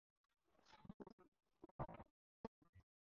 د خبریالۍ د اصولو زدهکړه ډېره مهمه ده.